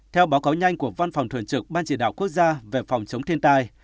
theo báo cáo nhanh của văn phòng thường trực ban chỉ đạo quốc gia về phòng chống thiên tai